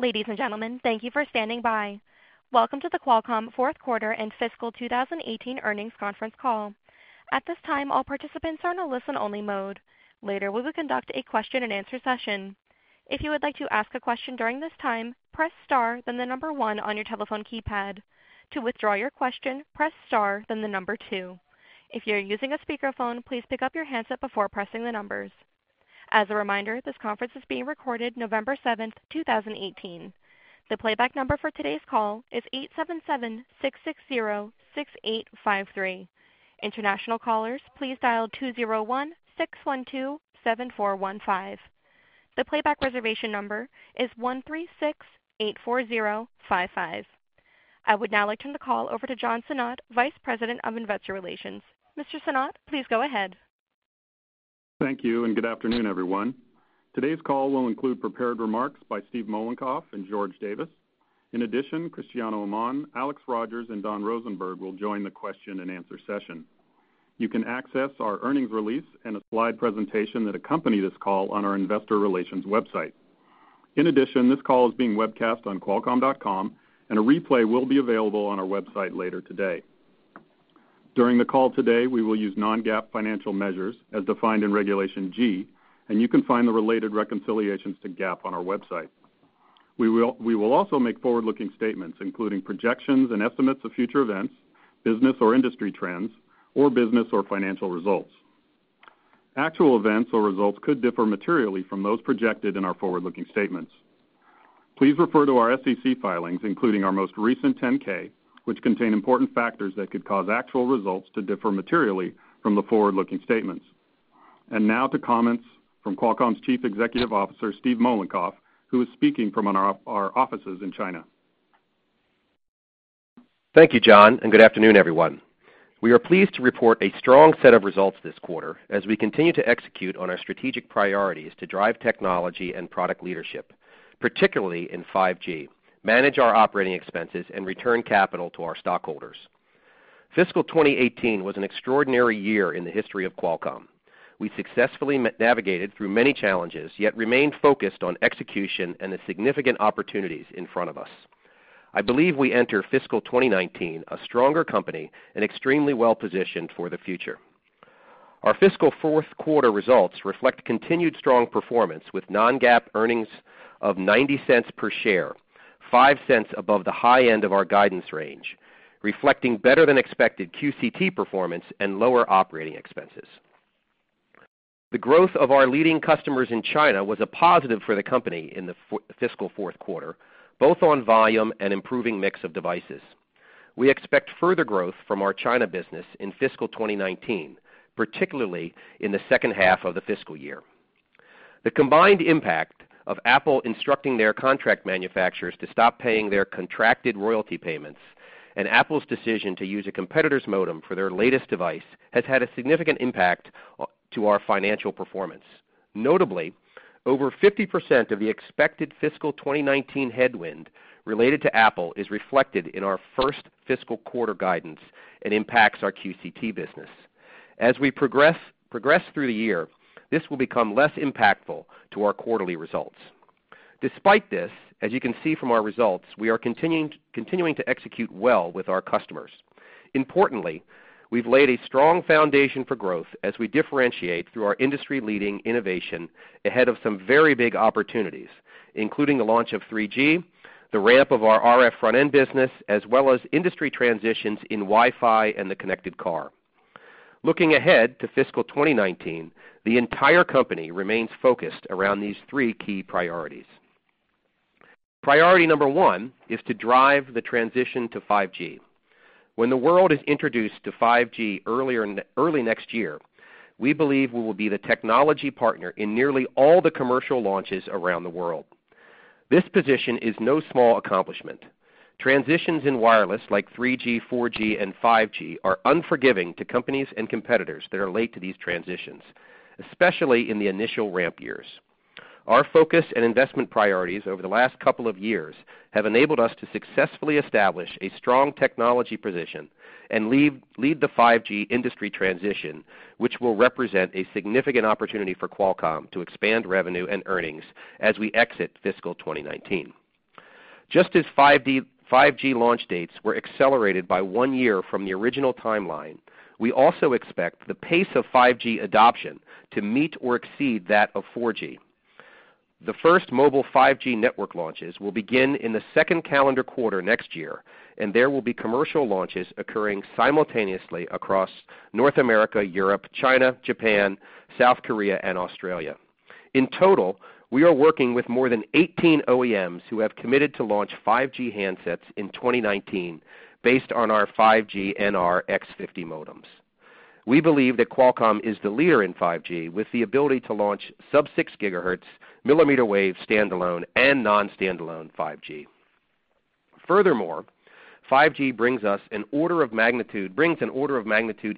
Ladies and gentlemen, thank you for standing by. Welcome to the Qualcomm Fourth Quarter and Fiscal 2018 Earnings Conference Call. At this time, all participants are in a listen-only mode. Later, we will conduct a question-and-answer session. If you would like to ask a question during this time, press star, then number 1 on your telephone keypad. To withdraw your question, press star, then number 2. If you are using a speakerphone, please pick up your handset before pressing the numbers. As a reminder, this conference is being recorded November 7th, 2018. The playback number for today's call is 877-660-6853. International callers, please dial 201-612-7415. The playback reservation number is 136-84055. I would now like to turn the call over to John Sinnott, Vice President of Investor Relations. Mr. Sinnott, please go ahead. Thank you, good afternoon, everyone. Today's call will include prepared remarks by Steve Mollenkopf and George Davis. In addition, Cristiano Amon, Alex Rogers, and Don Rosenberg will join the question-and-answer session. You can access our earnings release and a slide presentation that accompany this call on our investor relations website. In addition, this call is being webcast on qualcomm.com, and a replay will be available on our website later today. During the call today, we will use non-GAAP financial measures as defined in Regulation G, and you can find the related reconciliations to GAAP on our website. We will also make forward-looking statements, including projections and estimates of future events, business or industry trends, or business or financial results. Actual events or results could differ materially from those projected in our forward-looking statements. Please refer to our SEC filings, including our most recent 10-K, which contain important factors that could cause actual results to differ materially from the forward-looking statements. Now to comments from Qualcomm's Chief Executive Officer, Steve Mollenkopf, who is speaking from our offices in China. Thank you, John, good afternoon, everyone. We are pleased to report a strong set of results this quarter as we continue to execute on our strategic priorities to drive technology and product leadership, particularly in 5G, manage our operating expenses, and return capital to our stockholders. Fiscal 2018 was an extraordinary year in the history of Qualcomm. We successfully navigated through many challenges, yet remained focused on execution and the significant opportunities in front of us. I believe we enter fiscal 2019 a stronger company and extremely well-positioned for the future. Our fiscal fourth quarter results reflect continued strong performance, with non-GAAP earnings of $0.90 per share, $0.05 above the high end of our guidance range, reflecting better-than-expected QCT performance and lower operating expenses. The growth of our leading customers in China was a positive for the company in the fiscal fourth quarter, both on volume and improving mix of devices. We expect further growth from our China business in fiscal 2019, particularly in the second half of the fiscal year. The combined impact of Apple instructing their contract manufacturers to stop paying their contracted royalty payments and Apple's decision to use a competitor's modem for their latest device has had a significant impact to our financial performance. Notably, over 50% of the expected fiscal 2019 headwind related to Apple is reflected in our first fiscal quarter guidance and impacts our QCT business. As we progress through the year, this will become less impactful to our quarterly results. Despite this, as you can see from our results, we are continuing to execute well with our customers. Importantly, we've laid a strong foundation for growth as we differentiate through our industry-leading innovation ahead of some very big opportunities, including the launch of 3G, the ramp of our RF front-end business, as well as industry transitions in Wi-Fi and the connected car. Looking ahead to fiscal 2019, the entire company remains focused around these three key priorities. Priority number one is to drive the transition to 5G. When the world is introduced to 5G early next year, we believe we will be the technology partner in nearly all the commercial launches around the world. This position is no small accomplishment. Transitions in wireless like 3G, 4G, and 5G are unforgiving to companies and competitors that are late to these transitions, especially in the initial ramp years. Our focus and investment priorities over the last couple of years have enabled us to successfully establish a strong technology position and lead the 5G industry transition, which will represent a significant opportunity for Qualcomm to expand revenue and earnings as we exit fiscal 2019. Just as 5G launch dates were accelerated by one year from the original timeline, we also expect the pace of 5G adoption to meet or exceed that of 4G. The first mobile 5G network launches will begin in the second calendar quarter next year, and there will be commercial launches occurring simultaneously across North America, Europe, China, Japan, South Korea, and Australia. In total, we are working with more than 18 OEMs who have committed to launch 5G handsets in 2019 based on our 5G NR X50 modems. We believe that Qualcomm is the leader in 5G, with the ability to launch sub-6 gigahertz, millimeter wave standalone, and non-standalone 5G. Furthermore, 5G brings an order of magnitude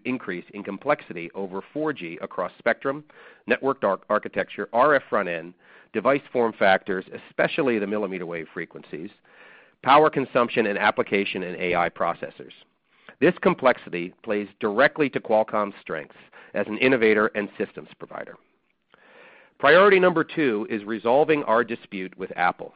increase in complexity over 4G across spectrum, network architecture, RF front-end, device form factors, especially the millimeter wave frequencies, power consumption, and application and AI processors. This complexity plays directly to Qualcomm's strengths as an innovator and systems provider. Priority number two is resolving our dispute with Apple.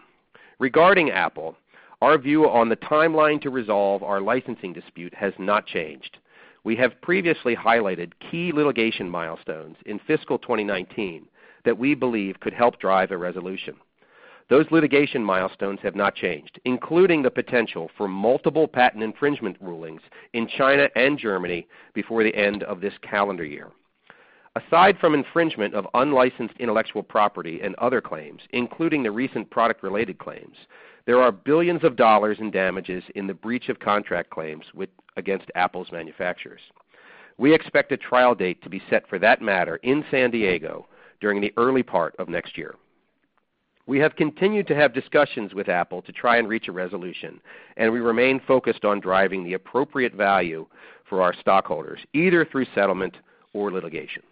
Regarding Apple, our view on the timeline to resolve our licensing dispute has not changed. We have previously highlighted key litigation milestones in fiscal 2019 that we believe could help drive a resolution. Those litigation milestones have not changed, including the potential for multiple patent infringement rulings in China and Germany before the end of this calendar year. Aside from infringement of unlicensed intellectual property and other claims, including the recent product-related claims, there are billions of dollars in damages in the breach of contract claims against Apple's manufacturers. We expect a trial date to be set for that matter in San Diego during the early part of next year. We have continued to have discussions with Apple to try and reach a resolution, and we remain focused on driving the appropriate value for our stockholders, either through settlement or litigation.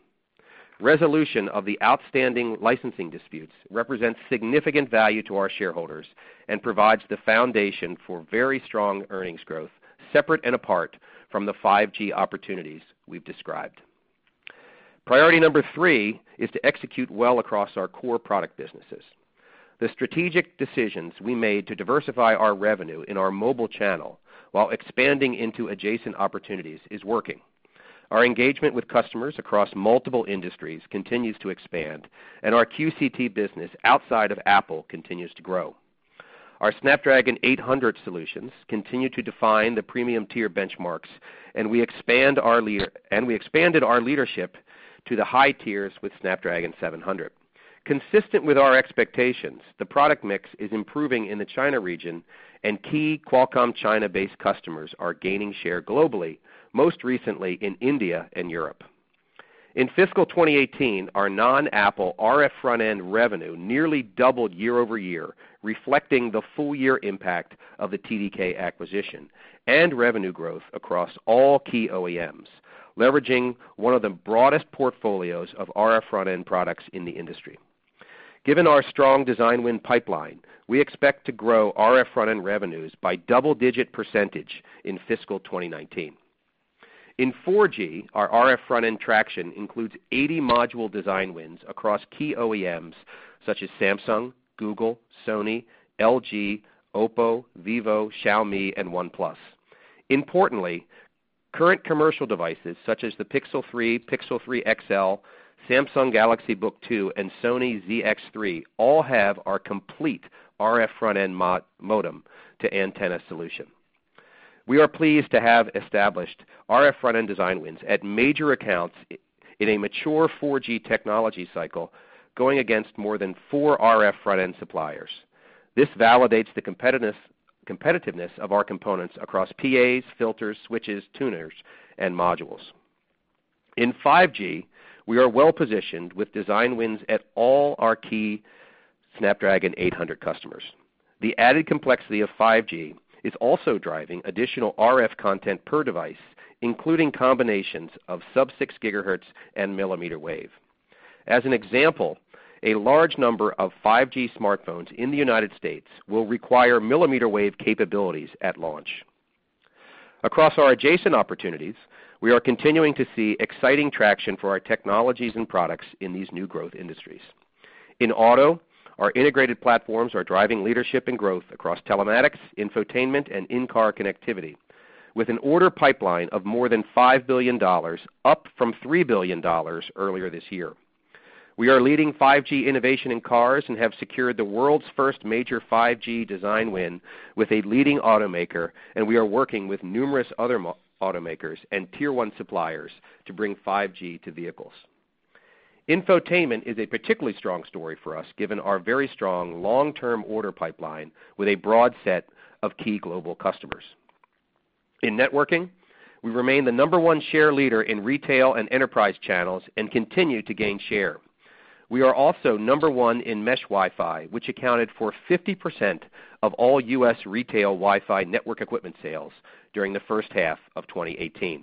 Resolution of the outstanding licensing disputes represents significant value to our shareholders and provides the foundation for very strong earnings growth, separate and apart from the 5G opportunities we've described. Priority 3 is to execute well across our core product businesses. The strategic decisions we made to diversify our revenue in our mobile channel while expanding into adjacent opportunities is working. Our engagement with customers across multiple industries continues to expand, and our QCT business outside of Apple continues to grow. Our Snapdragon 800 solutions continue to define the premium-tier benchmarks, We expanded our leadership to the high tiers with Snapdragon 700. Consistent with our expectations, the product mix is improving in the China region and key Qualcomm China-based customers are gaining share globally, most recently in India and Europe. In fiscal 2018, our non-Apple RF front-end revenue nearly doubled year-over-year, reflecting the full-year impact of the TDK acquisition and revenue growth across all key OEMs, leveraging one of the broadest portfolios of RF front-end products in the industry. Given our strong design win pipeline, we expect to grow RF front-end revenues by double-digit % in fiscal 2019. In 4G, our RF front-end traction includes 80 module design wins across key OEMs such as Samsung, Google, Sony, LG, OPPO, Vivo, Xiaomi, and OnePlus. Importantly, current commercial devices such as the Pixel 3, Pixel 3 XL, Samsung Galaxy Book2, and Sony Xperia XZ3 all have our complete RF front-end modem-to-antenna solution. We are pleased to have established RF front-end design wins at major accounts in a mature 4G technology cycle, going against more than four RF front-end suppliers. This validates the competitiveness of our components across PAs, filters, switches, tuners, and modules. In 5G, we are well-positioned with design wins at all our key Snapdragon 800 customers. The added complexity of 5G is also driving additional RF content per device, including combinations of sub-6 GHz and millimeter wave. As an example, a large number of 5G smartphones in the U.S. will require millimeter wave capabilities at launch. Across our adjacent opportunities, we are continuing to see exciting traction for our technologies and products in these new growth industries. In auto, our integrated platforms are driving leadership and growth across telematics, infotainment, and in-car connectivity, with an order pipeline of more than $5 billion, up from $3 billion earlier this year. We are leading 5G innovation in cars and have secured the world's first major 5G design win with a leading automaker, We are working with numerous other automakers and tier 1 suppliers to bring 5G to vehicles. Infotainment is a particularly strong story for us, given our very strong long-term order pipeline with a broad set of key global customers. In networking, we remain the number 1 share leader in retail and enterprise channels and continue to gain share. We are also number one in mesh Wi-Fi, which accounted for 50% of all U.S. retail Wi-Fi network equipment sales during the first half of 2018.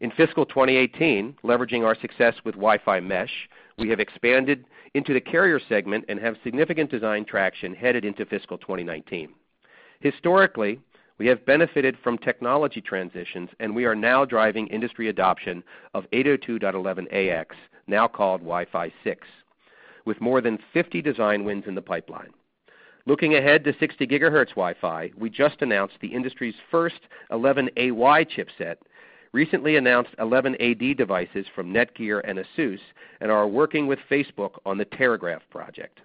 In fiscal 2018, leveraging our success with Wi-Fi mesh, we have expanded into the carrier segment and have significant design traction headed into fiscal 2019. Historically, we have benefited from technology transitions. We are now driving industry adoption of 802.11ax, now called Wi-Fi 6, with more than 50 design wins in the pipeline. Looking ahead to 60 GHz Wi-Fi, we just announced the industry's first 11ay chipset, recently announced 11ad devices from NETGEAR and ASUS, and are working with Facebook on the Terragraph project.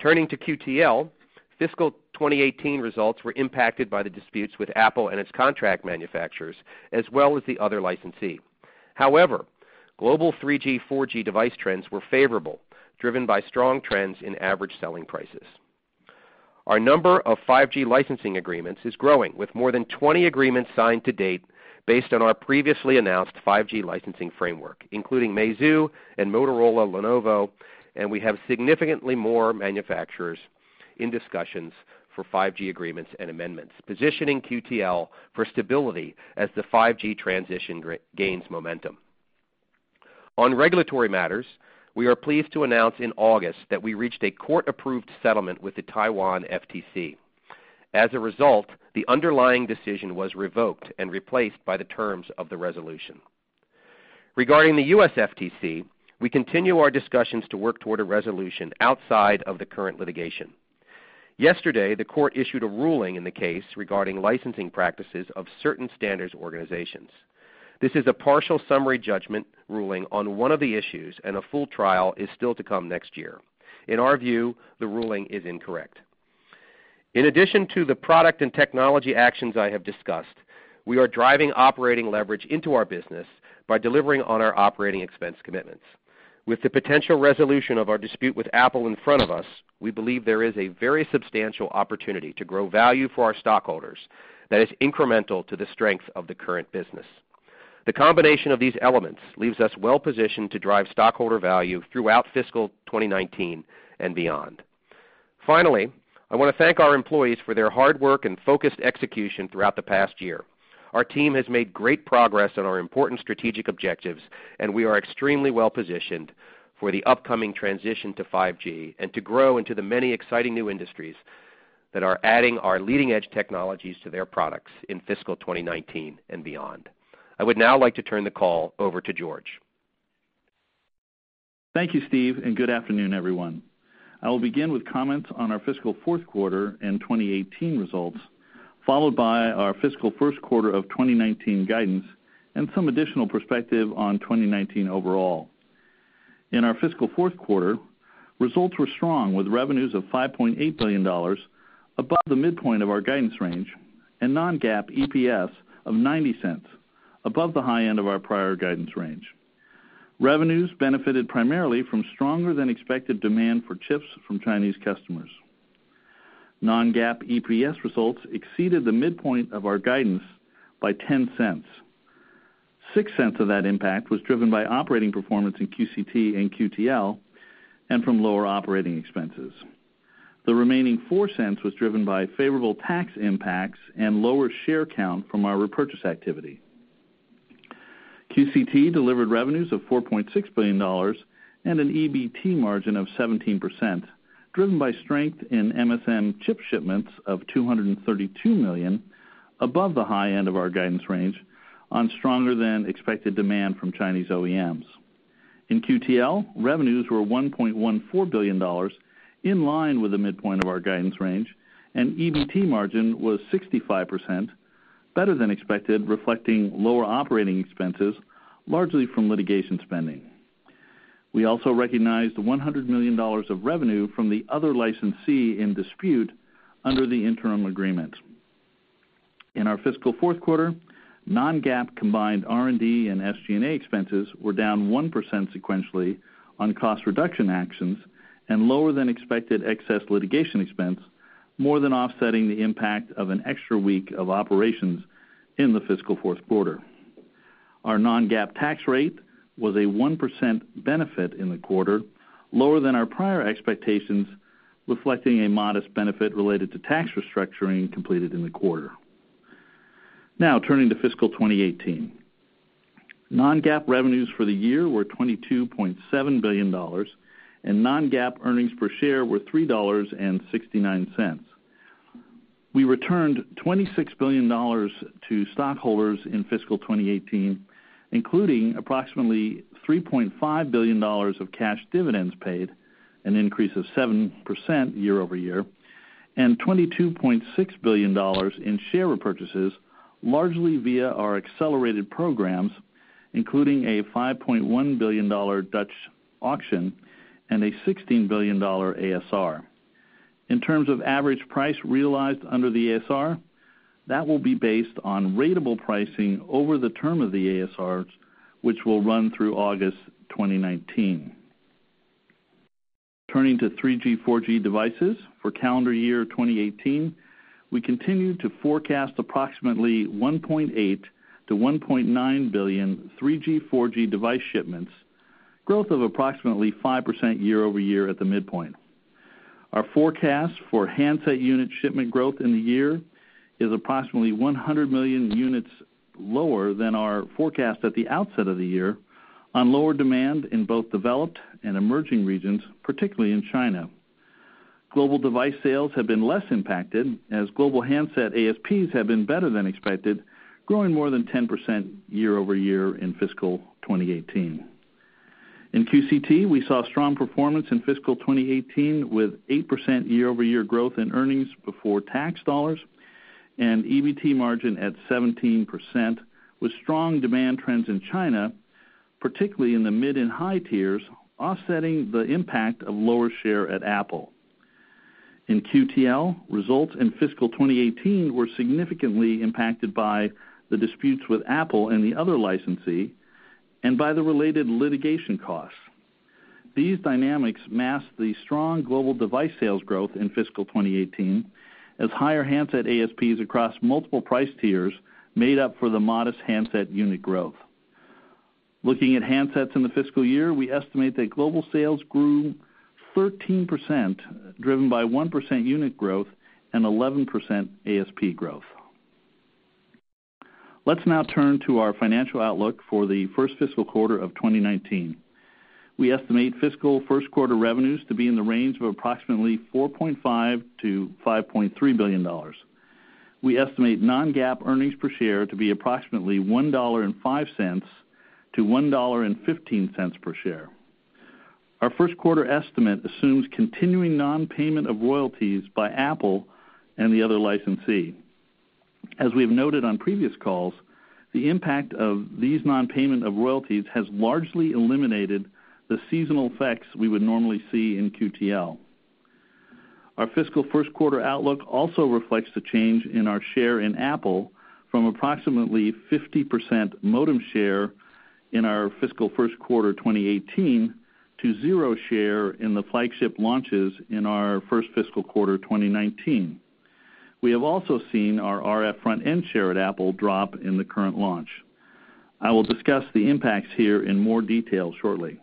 Turning to QTL, fiscal 2018 results were impacted by the disputes with Apple and its contract manufacturers, as well as the other licensee. Global 3G/4G device trends were favorable, driven by strong trends in average selling prices. Our number of 5G licensing agreements is growing, with more than 20 agreements signed to date based on our previously announced 5G licensing framework, including Meizu and Motorola Mobility. We have significantly more manufacturers in discussions for 5G agreements and amendments, positioning QTL for stability as the 5G transition gains momentum. Regulatory matters, we are pleased to announce in August that we reached a court-approved settlement with the Taiwan FTC. The underlying decision was revoked and replaced by the terms of the resolution. Regarding the U.S. FTC, we continue our discussions to work toward a resolution outside of the current litigation. Yesterday, the court issued a ruling in the case regarding licensing practices of certain standards organizations. This is a partial summary judgment ruling on one of the issues. A full trial is still to come next year. In our view, the ruling is incorrect. In addition to the product and technology actions I have discussed, we are driving operating leverage into our business by delivering on our operating expense commitments. With the potential resolution of our dispute with Apple in front of us, we believe there is a very substantial opportunity to grow value for our stockholders that is incremental to the strength of the current business. The combination of these elements leaves us well-positioned to drive stockholder value throughout fiscal 2019 and beyond. Finally, I want to thank our employees for their hard work and focused execution throughout the past year. Our team has made great progress on our important strategic objectives, and we are extremely well-positioned for the upcoming transition to 5G and to grow into the many exciting new industries that are adding our leading-edge technologies to their products in fiscal 2019 and beyond. I would now like to turn the call over to George. Thank you, Steve, and good afternoon, everyone. I will begin with comments on our fiscal fourth quarter and 2018 results, followed by our fiscal first quarter of 2019 guidance and some additional perspective on 2019 overall. In our fiscal fourth quarter, results were strong, with revenues of $5.8 billion, above the midpoint of our guidance range, and non-GAAP EPS of $0.90, above the high end of our prior guidance range. Revenues benefited primarily from stronger than expected demand for chips from Chinese customers. Non-GAAP EPS results exceeded the midpoint of our guidance by $0.10. $0.06 of that impact was driven by operating performance in QCT and QTL and from lower operating expenses. The remaining $0.04 was driven by favorable tax impacts and lower share count from our repurchase activity. QCT delivered revenues of $4.6 billion and an EBT margin of 17%, driven by strength in MSM chip shipments of 232 million, above the high end of our guidance range, on stronger than expected demand from Chinese OEMs. In QTL, revenues were $1.14 billion, in line with the midpoint of our guidance range, and EBT margin was 65%, better than expected, reflecting lower operating expenses, largely from litigation spending. We also recognized $100 million of revenue from the other licensee in dispute under the interim agreement. In our fiscal fourth quarter, non-GAAP combined R&D and SG&A expenses were down 1% sequentially on cost reduction actions and lower than expected excess litigation expense, more than offsetting the impact of an extra week of operations in the fiscal fourth quarter. Our non-GAAP tax rate was a 1% benefit in the quarter, lower than our prior expectations, reflecting a modest benefit related to tax restructuring completed in the quarter. Turning to fiscal 2018. Non-GAAP revenues for the year were $22.7 billion, and non-GAAP earnings per share were $3.69. We returned $26 billion to stockholders in fiscal 2018, including approximately $3.5 billion of cash dividends paid, an increase of 7% year-over-year, and $22.6 billion in share repurchases, largely via our accelerated programs, including a $5.1 billion Dutch auction and a $16 billion ASR. In terms of average price realized under the ASR, that will be based on ratable pricing over the term of the ASRs, which will run through August 2019. Turning to 5G/4G devices for calendar year 2018, we continue to forecast approximately 1.8 billion-1.9 billion 5G/4G device shipments, growth of approximately 5% year-over-year at the midpoint. Our forecast for handset unit shipment growth in the year is approximately 100 million units lower than our forecast at the outset of the year on lower demand in both developed and emerging regions, particularly in China. Global device sales have been less impacted, as global handset ASPs have been better than expected, growing more than 10% year-over-year in fiscal 2018. In QCT, we saw strong performance in fiscal 2018 with 8% year-over-year growth in earnings before tax dollars and EBT margin at 17%, with strong demand trends in China, particularly in the mid and high tiers, offsetting the impact of lower share at Apple. In QTL, results in fiscal 2018 were significantly impacted by the disputes with Apple and the other licensee and by the related litigation costs. These dynamics masked the strong global device sales growth in fiscal 2018, as higher handset ASPs across multiple price tiers made up for the modest handset unit growth. Looking at handsets in the fiscal year, we estimate that global sales grew 13%, driven by 1% unit growth and 11% ASP growth. Let's now turn to our financial outlook for the first fiscal quarter of 2019. We estimate fiscal first quarter revenues to be in the range of approximately $4.5 billion-$5.3 billion. We estimate non-GAAP earnings per share to be approximately $1.05-$1.15 per share. Our first quarter estimate assumes continuing non-payment of royalties by Apple and the other licensee. As we've noted on previous calls, the impact of these non-payment of royalties has largely eliminated the seasonal effects we would normally see in QTL. Our fiscal first quarter outlook also reflects the change in our share in Apple from approximately 50% modem share in our fiscal first quarter 2018 to 0 share in the flagship launches in our first fiscal quarter 2019. We have also seen our RF front-end share at Apple drop in the current launch. I will discuss the impacts here in more detail shortly.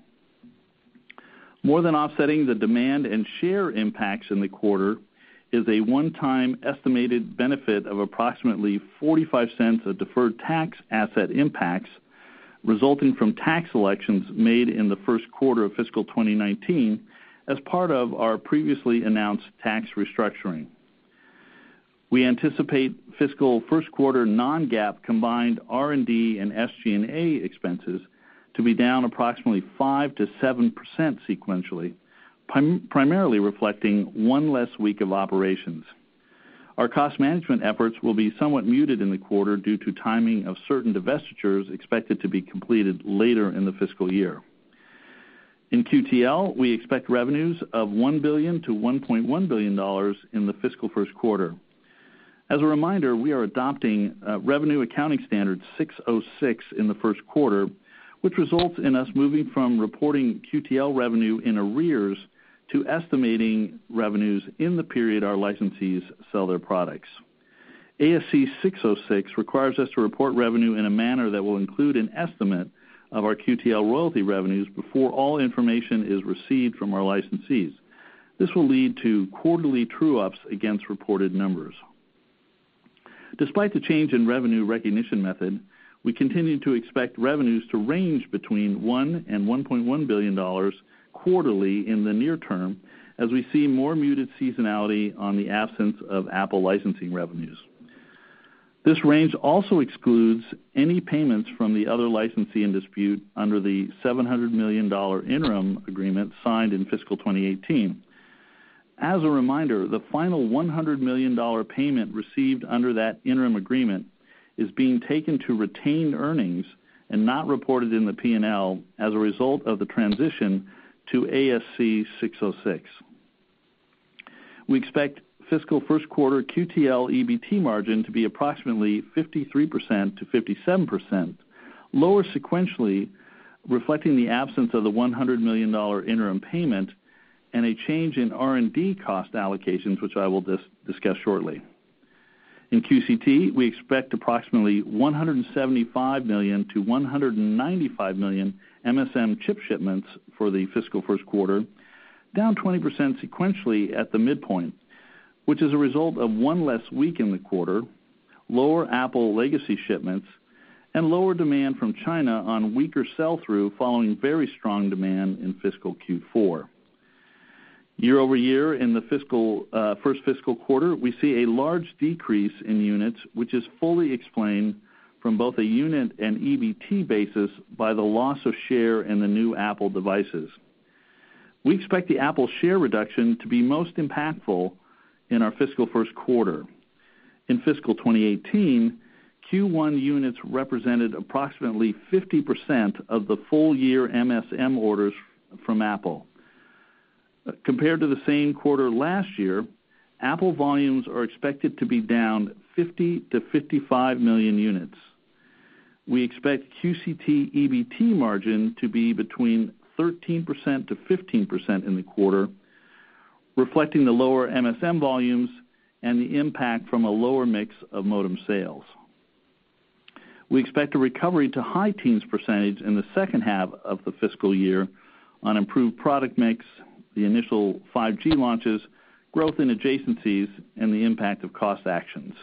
More than offsetting the demand and share impacts in the quarter is a one-time estimated benefit of approximately $0.45 of deferred tax asset impacts, resulting from tax elections made in the first quarter of fiscal 2019 as part of our previously announced tax restructuring. We anticipate fiscal first quarter non-GAAP combined R&D and SG&A expenses to be down approximately 5%-7% sequentially, primarily reflecting one less week of operations. Our cost management efforts will be somewhat muted in the quarter due to timing of certain divestitures expected to be completed later in the fiscal year. In QTL, we expect revenues of $1 billion-$1.1 billion in the fiscal first quarter. As a reminder, we are adopting ASC 606 in the first quarter, which results in us moving from reporting QTL revenue in arrears to estimating revenues in the period our licensees sell their products. ASC 606 requires us to report revenue in a manner that will include an estimate of our QTL royalty revenues before all information is received from our licensees. This will lead to quarterly true-ups against reported numbers. Despite the change in revenue recognition method, we continue to expect revenues to range between $1 billion and $1.1 billion quarterly in the near term, as we see more muted seasonality on the absence of Apple licensing revenues. This range also excludes any payments from the other licensee in dispute under the $700 million interim agreement signed in fiscal 2018. As a reminder, the final $100 million payment received under that interim agreement is being taken to retained earnings and not reported in the P&L as a result of the transition to ASC 606. We expect fiscal first quarter QTL EBT margin to be approximately 53%-57%, lower sequentially, reflecting the absence of the $100 million interim payment and a change in R&D cost allocations, which I will discuss shortly. In QCT, we expect approximately 175 million-195 million MSM chip shipments for the fiscal first quarter, down 20% sequentially at the midpoint, which is a result of one less week in the quarter, lower Apple legacy shipments, and lower demand from China on weaker sell-through following very strong demand in fiscal Q4. Year-over-year in the first fiscal quarter, we see a large decrease in units, which is fully explained from both a unit and EBT basis by the loss of share in the new Apple devices. We expect the Apple share reduction to be most impactful in our fiscal first quarter. In fiscal 2018, Q1 units represented approximately 50% of the full year MSM orders from Apple. Compared to the same quarter last year, Apple volumes are expected to be down 50 million-55 million units. We expect QCT EBT margin to be between 13%-15% in the quarter, reflecting the lower MSM volumes and the impact from a lower mix of modem sales. We expect a recovery to high teens percentage in the second half of the fiscal year on improved product mix, the initial 5G launches, growth in adjacencies, and the impact of cost actions.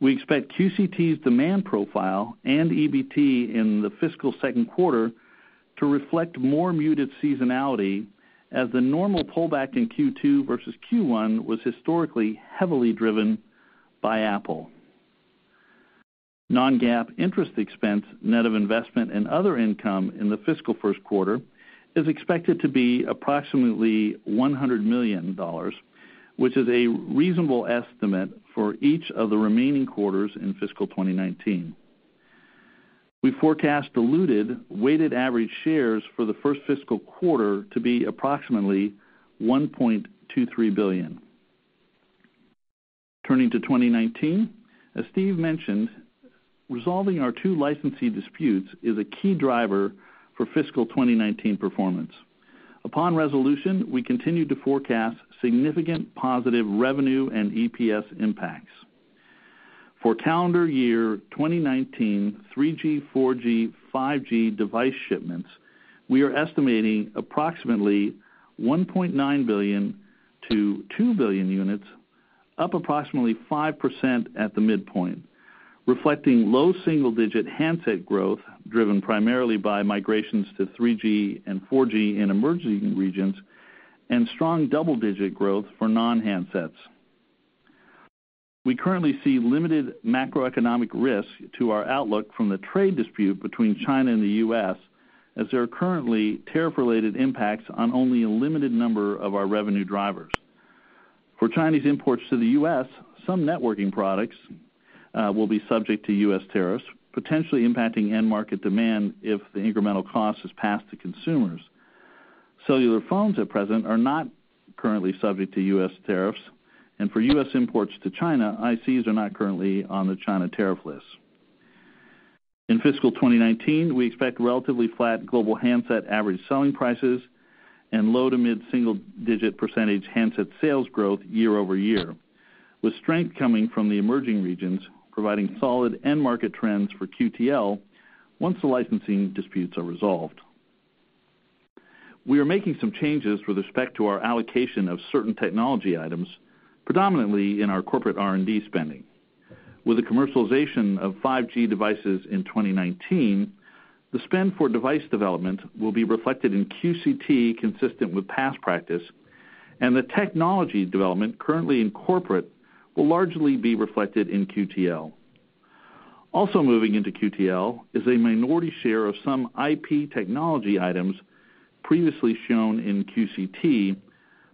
We expect QCT's demand profile and EBT in the fiscal second quarter to reflect more muted seasonality as the normal pullback in Q2 versus Q1 was historically heavily driven by Apple. Non-GAAP interest expense, net of investment and other income in the fiscal first quarter, is expected to be approximately $100 million, which is a reasonable estimate for each of the remaining quarters in fiscal 2019. We forecast diluted weighted average shares for the first fiscal quarter to be approximately 1.23 billion. Turning to 2019, as Steve mentioned, resolving our two licensee disputes is a key driver for fiscal 2019 performance. Upon resolution, we continue to forecast significant positive revenue and EPS impacts. For calendar year 2019 3G, 4G, 5G device shipments, we are estimating approximately 1.9 billion-2 billion units, up approximately 5% at the midpoint, reflecting low single-digit handset growth driven primarily by migrations to 3G and 4G in emerging regions and strong double-digit growth for non-handsets. We currently see limited macroeconomic risk to our outlook from the trade dispute between China and the U.S., as there are currently tariff-related impacts on only a limited number of our revenue drivers. For Chinese imports to the U.S., some networking products will be subject to U.S. tariffs, potentially impacting end market demand if the incremental cost is passed to consumers. Cellular phones at present are not currently subject to U.S. tariffs, and for U.S. imports to China, ICs are not currently on the China tariff list. In fiscal 2019, we expect relatively flat global handset average selling prices and low- to mid-single-digit percentage handset sales growth year-over-year, with strength coming from the emerging regions, providing solid end market trends for QTL once the licensing disputes are resolved. We are making some changes with respect to our allocation of certain technology items, predominantly in our corporate R&D spending. With the commercialization of 5G devices in 2019, the spend for device development will be reflected in QCT consistent with past practice, and the technology development currently in corporate will largely be reflected in QTL. Also moving into QTL is a minority share of some IP technology items previously shown in QCT,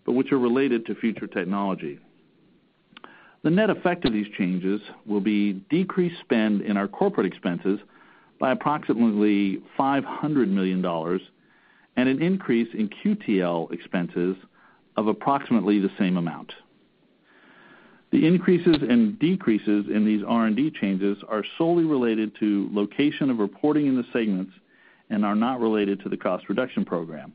but which are related to future technology. The net effect of these changes will be decreased spend in our corporate expenses by approximately $500 million and an increase in QTL expenses of approximately the same amount. The increases and decreases in these R&D changes are solely related to location of reporting in the segments and are not related to the cost reduction program.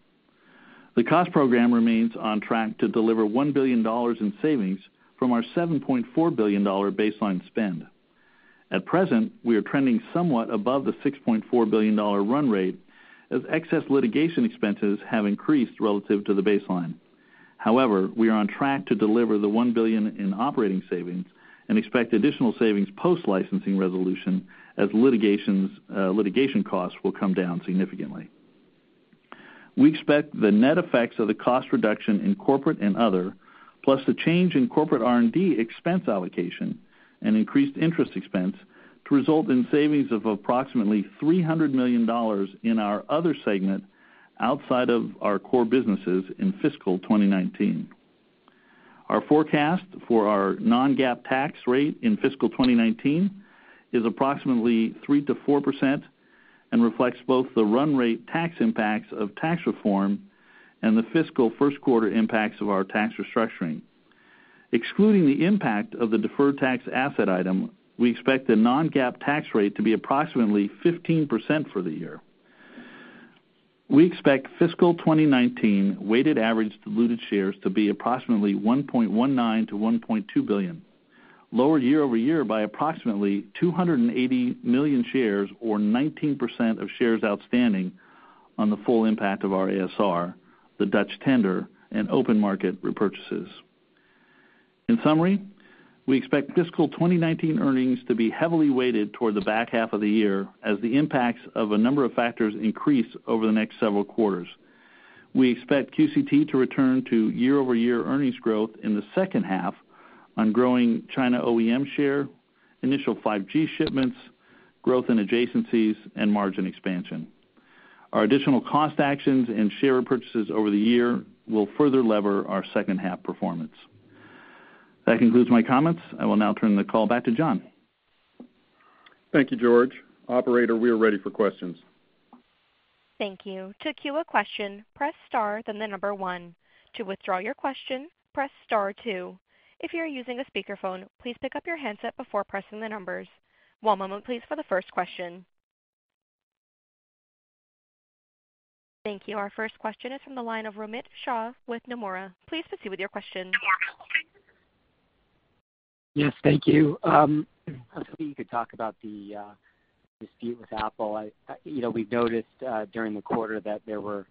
The cost program remains on track to deliver $1 billion in savings from our $7.4 billion baseline spend. At present, we are trending somewhat above the $6.4 billion run rate as excess litigation expenses have increased relative to the baseline. However, we are on track to deliver the $1 billion in operating savings and expect additional savings post-licensing resolution as litigation costs will come down significantly. We expect the net effects of the cost reduction in corporate and other, plus the change in corporate R&D expense allocation and increased interest expense, to result in savings of approximately $300 million in our other segment outside of our core businesses in fiscal 2019. Our forecast for our non-GAAP tax rate in fiscal 2019 is approximately 3%-4% and reflects both the run rate tax impacts of tax reform and the fiscal first quarter impacts of our tax restructuring. Excluding the impact of the deferred tax asset item, we expect the non-GAAP tax rate to be approximately 15% for the year. We expect fiscal 2019 weighted average diluted shares to be approximately 1.19 billion-1.2 billion, lower year-over-year by approximately 280 million shares or 19% of shares outstanding on the full impact of our ASR, the Dutch tender, and open market repurchases. In summary, we expect fiscal 2019 earnings to be heavily weighted toward the back half of the year as the impacts of a number of factors increase over the next several quarters. We expect QCT to return to year-over-year earnings growth in the second half on growing China OEM share, initial 5G shipments, growth in adjacencies, and margin expansion. Our additional cost actions and share repurchases over the year will further lever our second half performance. That concludes my comments. I will now turn the call back to John. Thank you, George. Operator, we are ready for questions. Thank you. To queue a question, press star, then 1. To withdraw your question, press star 2. If you are using a speakerphone, please pick up your handset before pressing the numbers. One moment, please, for the first question. Thank you. Our first question is from the line of Romit Shah with Nomura. Please proceed with your question. Yes, thank you. I was hoping you could talk about the dispute with Apple. We've noticed during the quarter that there were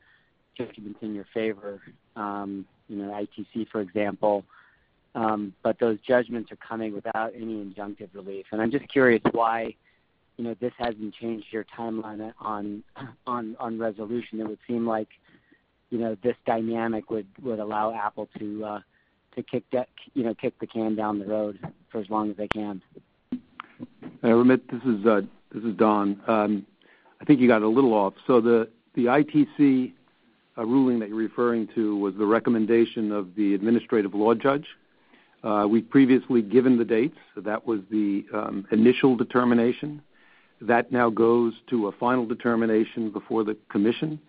judgments in your favor, ITC, for example, but those judgments are coming without any injunctive relief. I'm just curious why this hasn't changed your timeline on resolution. It would seem like this dynamic would allow Apple to kick the can down the road for as long as they can. Romit, this is Don. I think you got a little off. The ITC ruling that you're referring to was the recommendation of the administrative law judge. We've previously given the dates. That was the initial determination. That now goes to a final determination before the commission.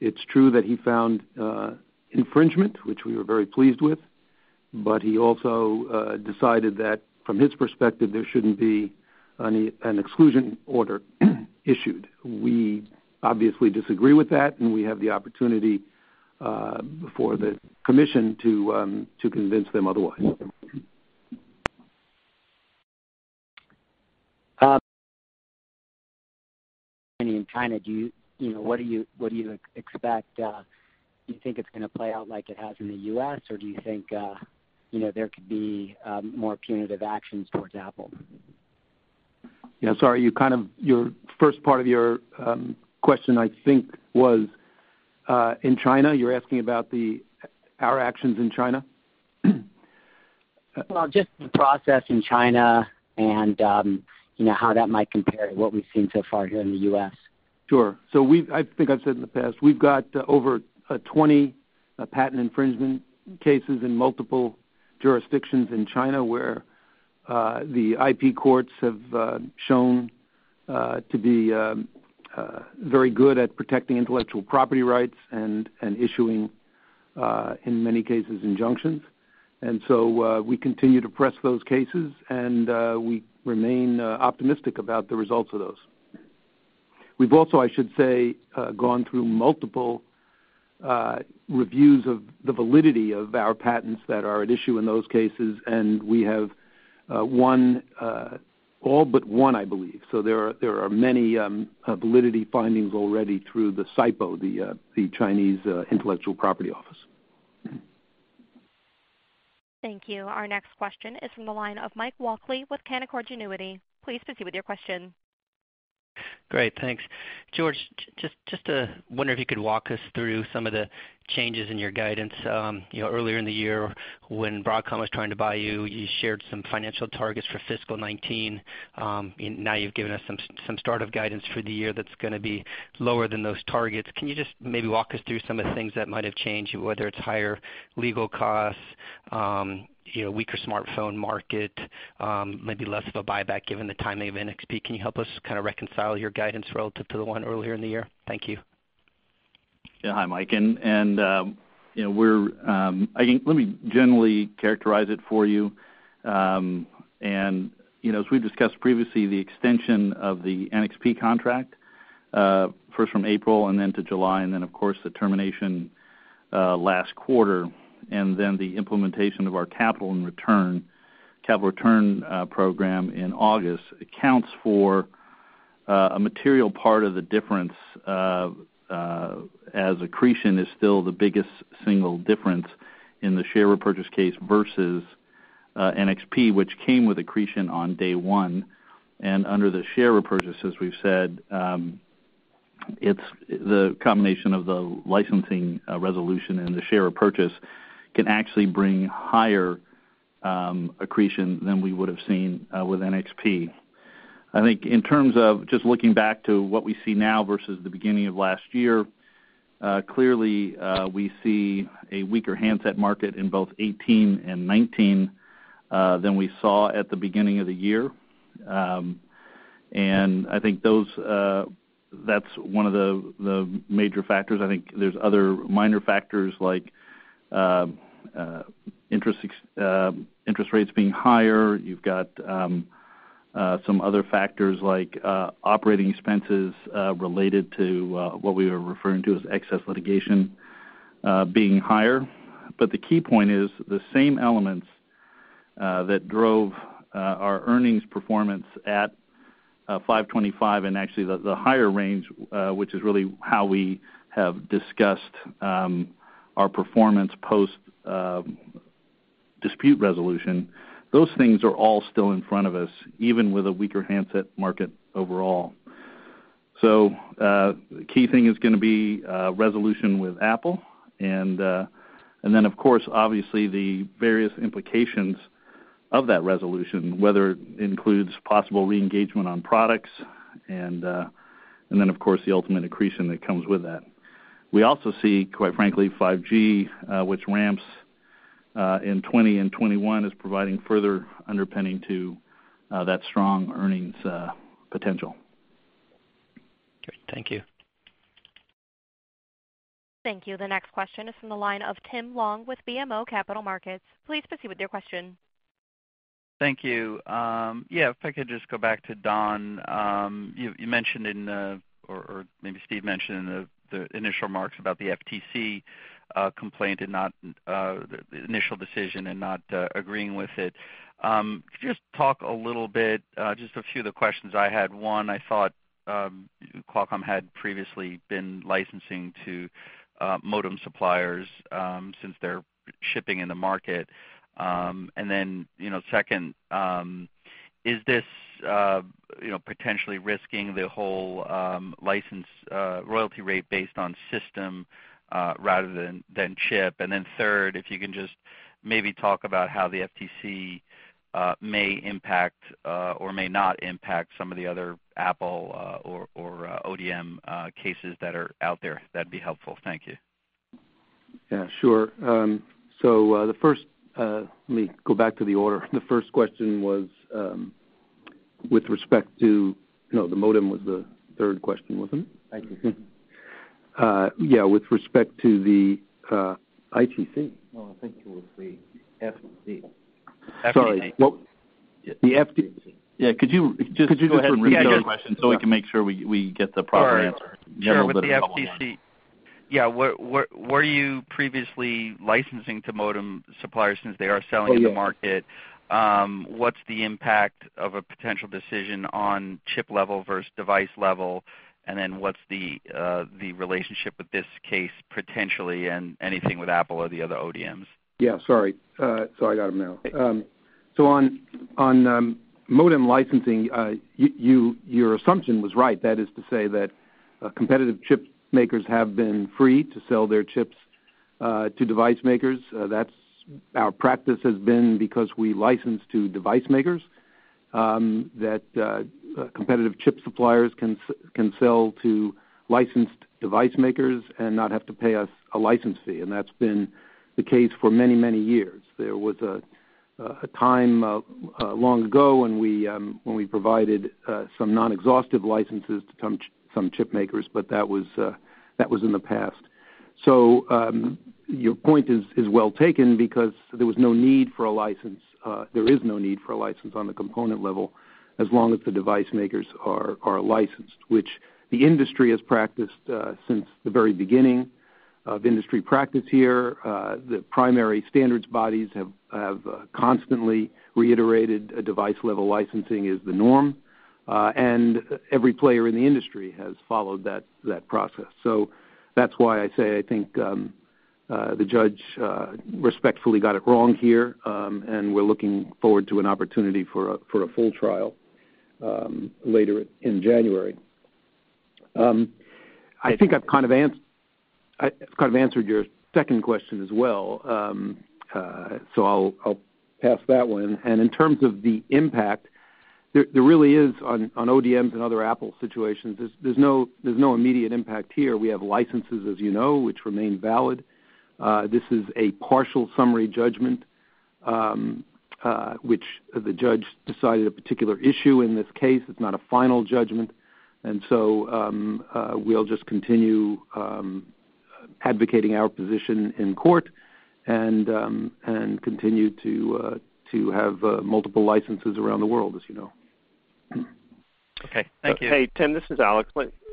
It's true that he found infringement, which we were very pleased with, but he also decided that from his perspective, there shouldn't be an exclusion order issued. We obviously disagree with that, and we have the opportunity before the commission to convince them otherwise. In China, what do you expect? Do you think it's going to play out like it has in the U.S., or do you think there could be more punitive actions towards Apple? Yeah, sorry. Your first part of your question, I think, was in China, you're asking about our actions in China? Well, just the process in China and how that might compare to what we've seen so far here in the U.S. Sure. I think I've said in the past, we've got over 20 patent infringement cases in multiple jurisdictions in China, where the IP courts have shown to be very good at protecting intellectual property rights and issuing, in many cases, injunctions. We continue to press those cases, and we remain optimistic about the results of those. We've also, I should say, gone through multiple reviews of the validity of our patents that are at issue in those cases, and we have won all but one, I believe. There are many validity findings already through the SIPO, the Chinese Intellectual Property Office. Thank you. Our next question is from the line of Mike Walkley with Canaccord Genuity. Please proceed with your question. Great, thanks. George, just wondering if you could walk us through some of the changes in your guidance. Earlier in the year when Broadcom was trying to buy you shared some financial targets for fiscal 2019. Now you've given us some start of guidance for the year that's going to be lower than those targets. Can you just maybe walk us through some of the things that might have changed, whether it's higher legal costs, weaker smartphone market, maybe less of a buyback given the timing of NXP? Can you help us kind of reconcile your guidance relative to the one earlier in the year? Thank you. Yeah. Hi, Mike. Let me generally characterize it for you. As we discussed previously, the extension of the NXP contract, first from April and then to July, and then of course, the termination last quarter, and then the implementation of our capital return program in August, accounts for a material part of the difference, as accretion is still the biggest single difference in the share repurchase case versus NXP, which came with accretion on day one. Under the share repurchase, as we've said, the combination of the licensing resolution and the share repurchase can actually bring higher accretion than we would've seen with NXP. I think in terms of just looking back to what we see now versus the beginning of last year, clearly, we see a weaker handset market in both 2018 and 2019, than we saw at the beginning of the year. I think that's one of the major factors. I think there's other minor factors like interest rates being higher. You've got some other factors like operating expenses related to what we are referring to as excess litigation being higher. The key point is the same elements that drove our earnings performance at $5.25 and actually the higher range, which is really how we have discussed our performance post-dispute resolution. Those things are all still in front of us, even with a weaker handset market overall. The key thing is going to be resolution with Apple, and then of course, obviously the various implications of that resolution, whether it includes possible re-engagement on products, and then of course, the ultimate accretion that comes with that. We also see, quite frankly, 5G, which ramps in 2020 and 2021, is providing further underpinning to that strong earnings potential. Great. Thank you. Thank you. The next question is from the line of Tim Long with BMO Capital Markets. Please proceed with your question. Thank you. Yeah, if I could just go back to Don. You mentioned in the, or maybe Steve mentioned in the initial remarks about the FTC complaint, the initial decision, and not agreeing with it. Could you just talk a little bit, just a few of the questions I had. One, I thought Qualcomm had previously been licensing to modem suppliers since they're shipping in the market. Second, is this potentially risking the whole license royalty rate based on system rather than chip? Third, if you can just maybe talk about how the FTC may impact, or may not impact, some of the other Apple or ODM cases that are out there, that'd be helpful. Thank you. Yeah, sure. Let me go back to the order. The first question was with respect to No, the modem was the third question, wasn't it? I think so. Yeah, with respect to the ITC- No, I think it was the FTC. Sorry. Well, the FT- Yeah, could you just go ahead and repeat those questions so we can make sure we get the proper answer? Sure. With the FTC. Yeah. Were you previously licensing to modem suppliers since they are selling in the market? Oh, yeah. What's the impact of a potential decision on chip level versus device level? What's the relationship with this case potentially and anything with Apple or the other ODMs? Yeah, sorry. I got them now. On modem licensing, your assumption was right. That is to say that competitive chip makers have been free to sell their chips to device makers. Our practice has been because we license to device makers, that competitive chip suppliers can sell to licensed device makers and not have to pay us a license fee. That's been the case for many, many years. There was a time long ago when we provided some non-exhaustive licenses to some chip makers, that was in the past. Your point is well taken because there was no need for a license. There is no need for a license on the component level as long as the device makers are licensed, which the industry has practiced since the very beginning of industry practice here. The primary standards bodies have constantly reiterated a device-level licensing is the norm. Every player in the industry has followed that process. That's why I say I think the judge respectfully got it wrong here, and we're looking forward to an opportunity for a full trial later in January. I think I've kind of answered your second question as well. I'll pass that one. In terms of the impact, there really is on ODMs and other Apple situations, there's no immediate impact here. We have licenses, as you know, which remain valid. This is a partial summary judgment, which the judge decided a particular issue in this case. It's not a final judgment. We'll just continue advocating our position in court and continue to have multiple licenses around the world, as you know. Okay. Thank you. Hey, Tim, this is Alex.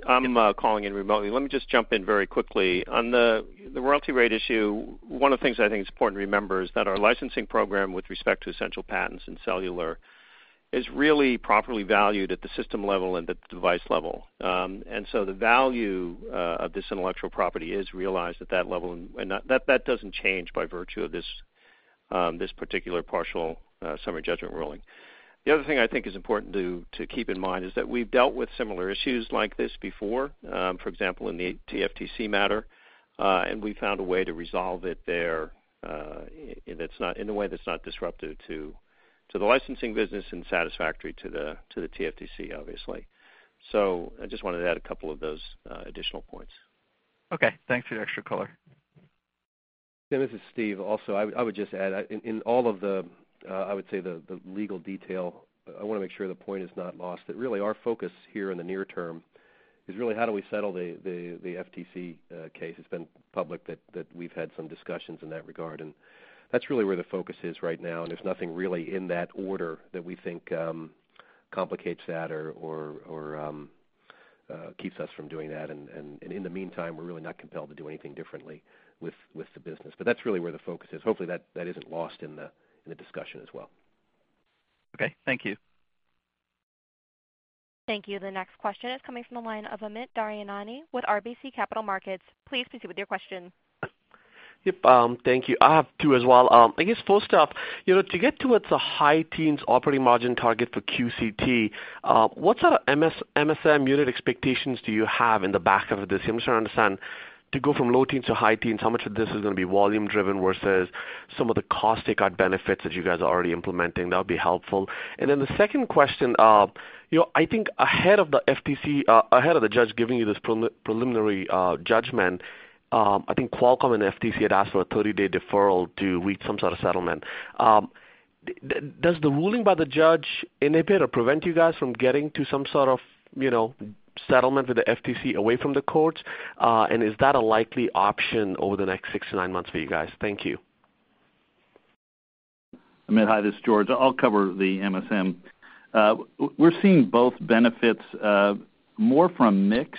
I'm calling in remotely. Let me just jump in very quickly. On the royalty rate issue, one of the things I think is important to remember is that our licensing program with respect to essential patents and cellular is really properly valued at the system level and at the device level. The value of this intellectual property is realized at that level, and that doesn't change by virtue of this particular partial summary judgment ruling. The other thing I think is important to keep in mind is that we've dealt with similar issues like this before, for example, in the TFTC matter. We found a way to resolve it there in a way that's not disruptive to the licensing business and satisfactory to the TFTC, obviously. I just wanted to add a couple of those additional points. Okay. Thanks for the extra color. Tim, this is Steve. I would just add, in all of the, I would say the legal detail, I want to make sure the point is not lost. That really our focus here in the near term is really how do we settle the FTC case. It's been public that we've had some discussions in that regard, and that's really where the focus is right now, and there's nothing really in that order that we think complicates that or keeps us from doing that. In the meantime, we're really not compelled to do anything differently with the business. That's really where the focus is. Hopefully, that isn't lost in the discussion as well. Okay. Thank you. Thank you. The next question is coming from the line of Amit Daryanani with RBC Capital Markets. Please proceed with your question. Yep. Thank you. I have two as well. I guess first off, to get towards a high teens operating margin target for QCT, what sort of MSM unit expectations do you have in the back half of this year? I'm just trying to understand to go from low teens to high teens, how much of this is going to be volume driven versus some of the cost takeout benefits that you guys are already implementing? That would be helpful. Then the second question, I think ahead of the FTC, ahead of the judge giving you this preliminary judgment, I think Qualcomm and FTC had asked for a 30-day deferral to reach some sort of settlement. Does the ruling by the judge inhibit or prevent you guys from getting to some sort of settlement with the FTC away from the courts? Is that a likely option over the next six to nine months for you guys? Thank you. Amit. Hi, this is George. I'll cover the MSM. We're seeing both benefits more from mix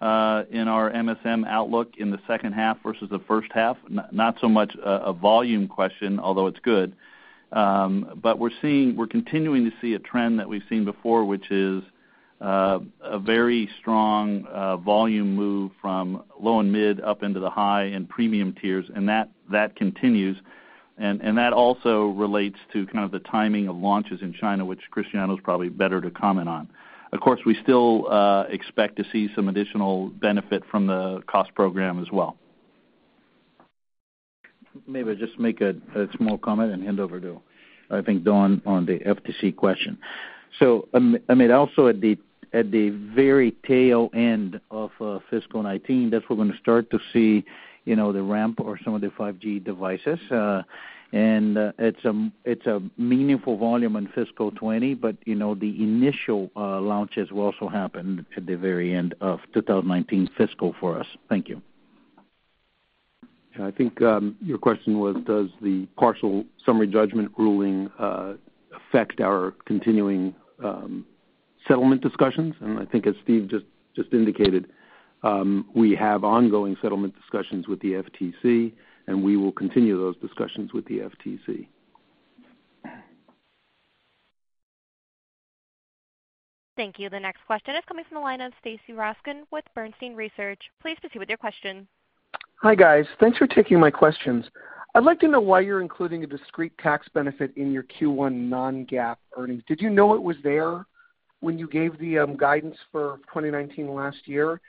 in our MSM outlook in the second half versus the first half, not so much a volume question, although it's good. We're continuing to see a trend that we've seen before, which is a very strong volume move from low and mid up into the high and premium tiers, that continues. That also relates to kind of the timing of launches in China, which Cristiano is probably better to comment on. Of course, we still expect to see some additional benefit from the cost program as well. Maybe I'll just make a small comment and hand over to, I think, Don on the FTC question. Amit, also at the very tail end of fiscal 2019, that's when we're going to start to see the ramp or some of the 5G devices. It's a meaningful volume in fiscal 2020, but the initial launches will also happen at the very end of 2019 fiscal for us. Thank you. I think your question was, does the partial summary judgment ruling affect our continuing settlement discussions? I think as Steve just indicated, we have ongoing settlement discussions with the FTC, and we will continue those discussions with the FTC. Thank you. The next question is coming from the line of Stacy Rasgon with Bernstein Research. Please proceed with your question. Hi, guys. Thanks for taking my questions. I'd like to know why you're including a discrete tax benefit in your Q1 non-GAAP earnings. Did you know it was there when you gave the guidance for 2019 last year?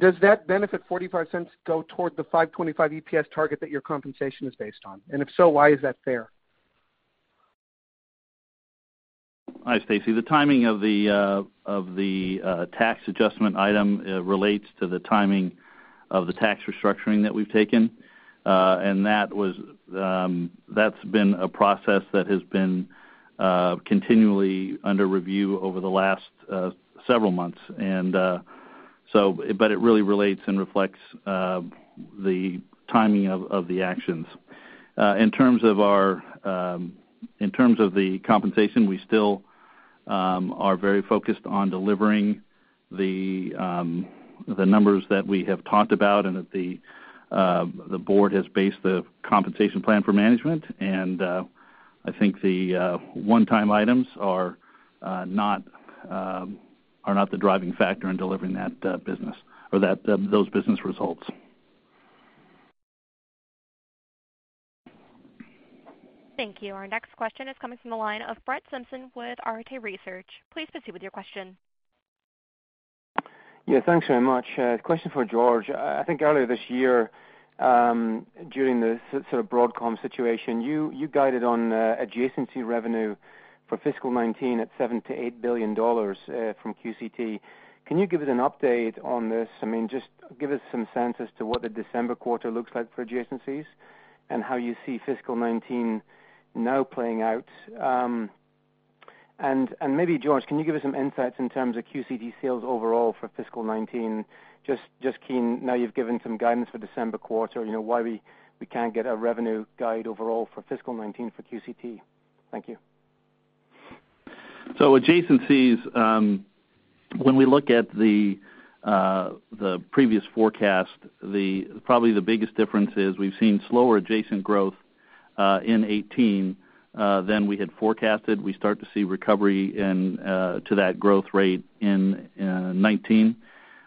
Does that benefit $0.45 go toward the 525 EPS target that your compensation is based on? If so, why is that fair? Hi, Stacy. The timing of the tax adjustment item relates to the timing of the tax restructuring that we've taken. That's been a process that has been continually under review over the last several months. It really relates and reflects the timing of the actions. In terms of the compensation, we still are very focused on delivering the numbers that we have talked about and that the board has based the compensation plan for management. I think the one-time items are not the driving factor in delivering those business results. Thank you. Our next question is coming from the line of Brett Simpson with Arete Research. Please proceed with your question. Yeah, thanks very much. Question for George. Earlier this year, during the Broadcom situation, you guided on adjacency revenue for fiscal 2019 at $7 billion to $8 billion from QCT. Can you give us an update on this? Just give us some sense as to what the December quarter looks like for adjacencies and how you see fiscal 2019 now playing out. Maybe, George, can you give us some insights in terms of QCT sales overall for fiscal 2019? Just keen, now you've given some guidance for December quarter, why we can't get a revenue guide overall for fiscal 2019 for QCT. Thank you. Adjacencies, when we look at the previous forecast, probably the biggest difference is we've seen slower adjacent growth in 2018 than we had forecasted. We start to see recovery to that growth rate in 2019.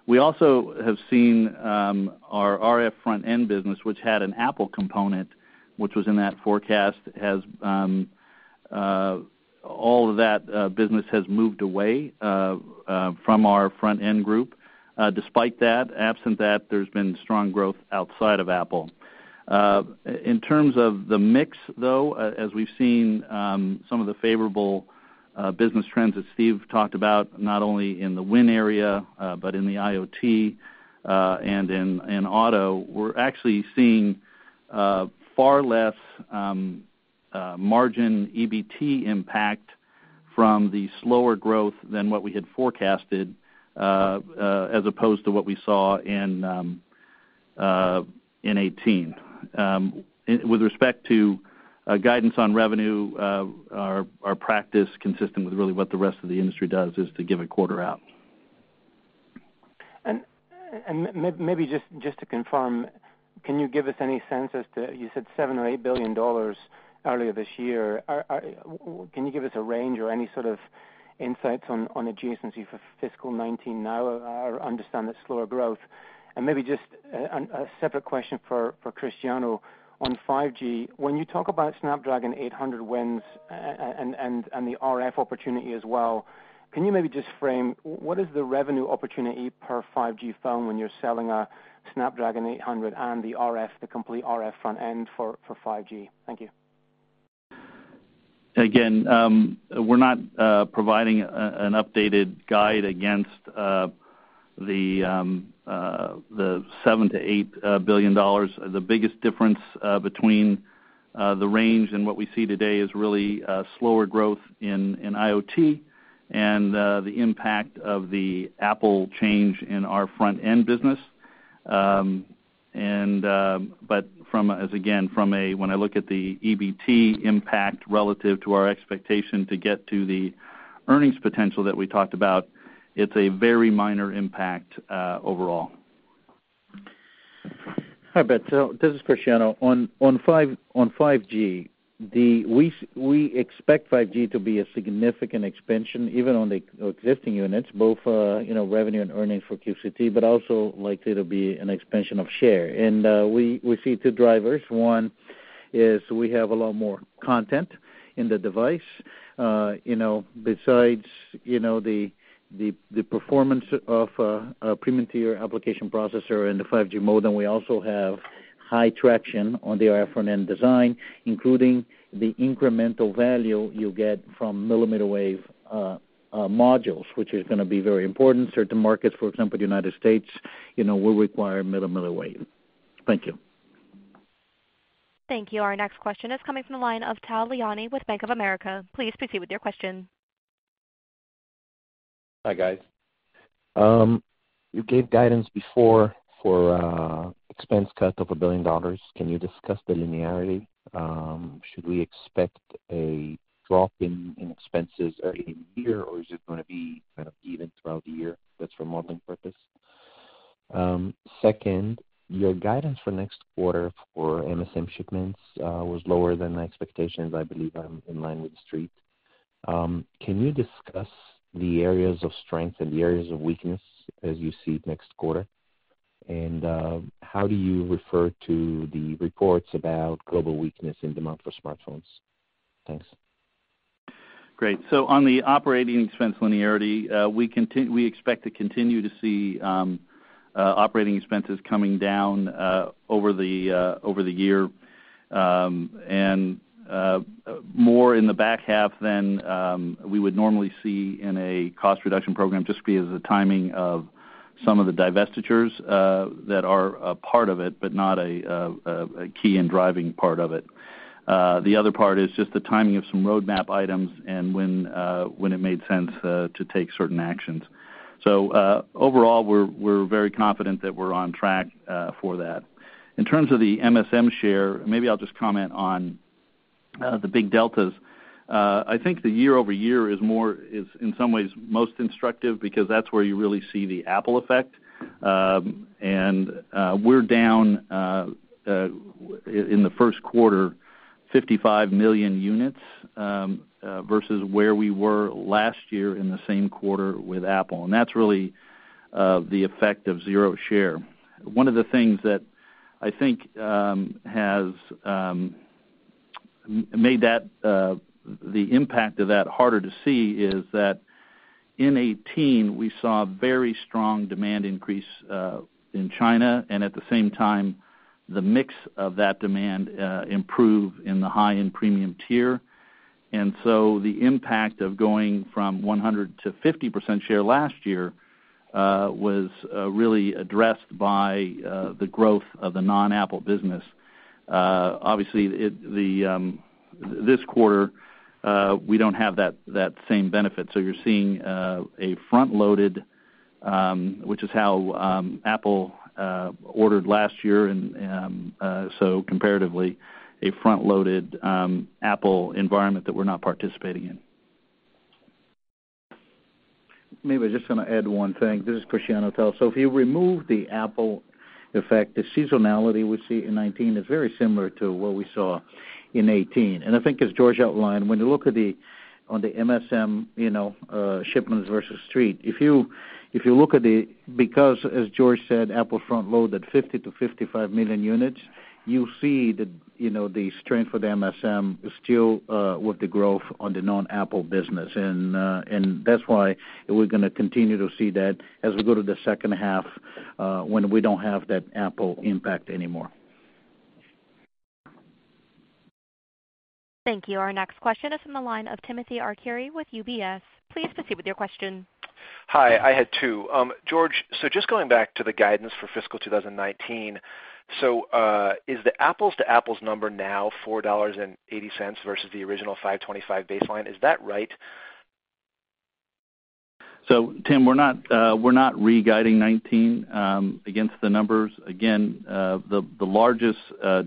We also have seen our RF front-end business, which had an Apple component, which was in that forecast, all of that business has moved away from our front-end group. Despite that, absent that, there's been strong growth outside of Apple. In terms of the mix, though, as we've seen some of the favorable business trends that Steve talked about, not only in the WIN area, but in the IoT, and in auto, we're actually seeing far less margin EBT impact from the slower growth than what we had forecasted, as opposed to what we saw in 2018. With respect to guidance on revenue, our practice consistent with really what the rest of the industry does is to give a quarter out. Maybe just to confirm, can you give us any sense as to, you said $7 billion or $8 billion earlier this year. Can you give us a range or any sort of insights on adjacency for fiscal 2019 now? I understand that's slower growth. Maybe just a separate question for Cristiano on 5G. When you talk about Snapdragon 800 wins and the RF opportunity as well, can you maybe just frame what is the revenue opportunity per 5G phone when you're selling a Snapdragon 800 and the complete RF front-end for 5G? Thank you. We're not providing an updated guide against the $7 billion-$8 billion. The biggest difference between the range and what we see today is really slower growth in IoT and the impact of the Apple change in our front-end business. Again, when I look at the EBT impact relative to our expectation to get to the earnings potential that we talked about, it's a very minor impact overall. Hi, Brett. So this is Cristiano. On 5G, we expect 5G to be a significant expansion, even on the existing units, both revenue and earnings for QCT, also likely to be an expansion of share. We see two drivers. One is we have a lot more content in the device. Besides the performance of a premium tier application processor and the 5G modem, we also have high traction on the RF front-end design, including the incremental value you get from millimeter wave modules, which is going to be very important. Certain markets, for example, United States, will require millimeter wave. Thank you. Thank you. Our next question is coming from the line of Tal Liani with Bank of America. Please proceed with your question. Hi, guys. You gave guidance before for expense cut of $1 billion. Can you discuss the linearity? Should we expect a drop in expenses early in the year, or is it going to be kind of even throughout the year? That's for modeling purpose. Second, your guidance for next quarter for MSM shipments was lower than the expectations. I believe I'm in line with Street. Can you discuss the areas of strength and the areas of weakness as you see next quarter? How do you refer to the reports about global weakness in demand for smartphones? Thanks. On the operating expense linearity, we expect to continue to see operating expenses coming down over the year. More in the back half than we would normally see in a cost reduction program, just because of the timing of some of the divestitures that are a part of it, but not a key and driving part of it. The other part is just the timing of some roadmap items and when it made sense to take certain actions. Overall, we're very confident that we're on track for that. In terms of the MSM share, maybe I'll just comment on the big deltas. I think the year-over-year is, in some ways, most instructive because that's where you really see the Apple effect. We're down, in the first quarter, 55 million units, versus where we were last year in the same quarter with Apple. That's really the effect of zero share. One of the things that I think has made the impact of that harder to see is that in 2018, we saw very strong demand increase in China, and at the same time, the mix of that demand improve in the high-end premium tier. The impact of going from 100% to 50% share last year was really addressed by the growth of the non-Apple business. Obviously, this quarter, we don't have that same benefit. You're seeing a front-loaded, which is how Apple ordered last year, comparatively, a front-loaded Apple environment that we're not participating in. Maybe I just want to add one thing. This is Cristiano Amon. If you remove the Apple effect, the seasonality we see in 2019 is very similar to what we saw in 2018. I think as George outlined, when you look on the MSM shipments versus Street, because as George said, Apple front-loaded 50 to 55 million units, you see the strength for the MSM still with the growth on the non-Apple business. That's why we're going to continue to see that as we go to the second half, when we don't have that Apple impact anymore. Thank you. Our next question is from the line of Timothy Arcuri with UBS. Please proceed with your question. Hi, I had two. George, just going back to the guidance for fiscal 2019. Is the apples to apples number now $4.80 versus the original $5.25 baseline? Is that right? Tim, we are not re-guiding 2019 against the numbers. Again, the largest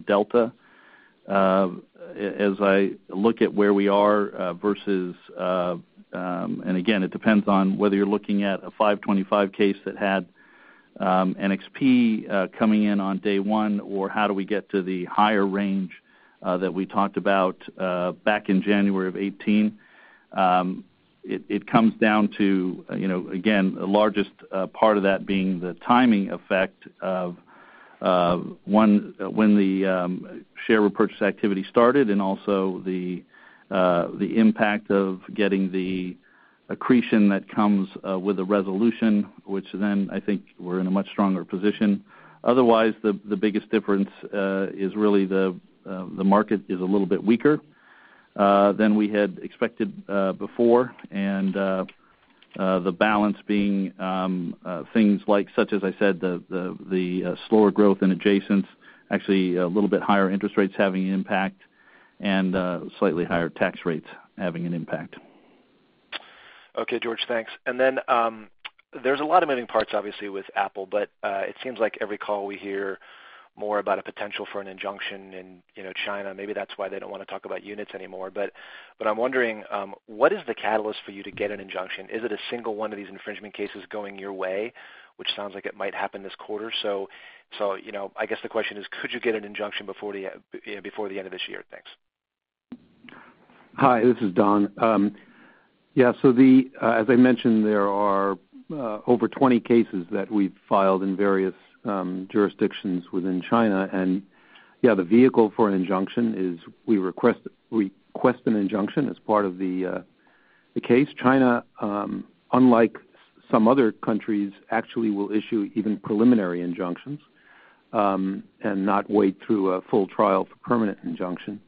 delta, as I look at where we are versus, it depends on whether you are looking at a $5.25 case that had NXP coming in on day one, or how do we get to the higher range that we talked about back in January of 2018. It comes down to, again, the largest part of that being the timing effect of when the share repurchase activity started and also the impact of getting the accretion that comes with the resolution, which I think we are in a much stronger position. Otherwise, the biggest difference is really the market is a little bit weaker than we had expected before, the balance being things like, such as I said, the slower growth in adjacents, actually a little bit higher interest rates having an impact and slightly higher tax rates having an impact. Okay, George, thanks. There is a lot of moving parts obviously with Apple, but it seems like every call we hear more about a potential for an injunction in China. Maybe that is why they do not want to talk about units anymore. I am wondering, what is the catalyst for you to get an injunction? Is it a single one of these infringement cases going your way? Which sounds like it might happen this quarter. I guess the question is, could you get an injunction before the end of this year? Thanks. Hi, this is Don. Yeah, as I mentioned, there are over 20 cases that we've filed in various jurisdictions within China, yeah, the vehicle for an injunction is we request an injunction as part of the case. China, unlike some other countries, actually will issue even preliminary injunctions, not wait through a full trial for permanent injunction.